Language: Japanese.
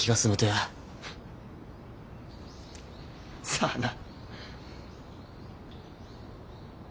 さあな。